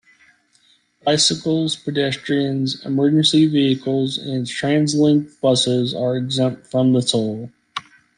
Bicycles, pedestrians, emergency vehicles and TransLink buses are exempt from the toll.